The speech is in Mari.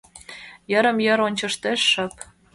Йырым-йыр ончыштеш: шып...